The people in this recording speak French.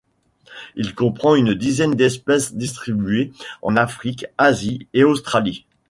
Il comprend une dizaine d'espèces distribuées en Afrique, Asie et Australie.